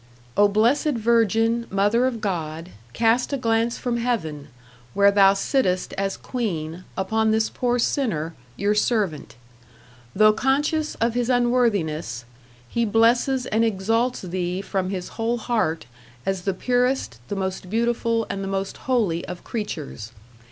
O Blessed Virgin, Mother of God, cast a glance from Heaven, where thou sittest as Queen, upon this poor sinner, your servant. Though conscious of his unworthiness.... he blesses and exalts thee from his whole heart as the purest, the most beautiful and the most holy of creatures.